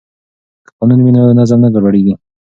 که قانون وي نو نظم نه ګډوډیږي.